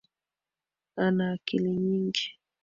Ana akili nyingi.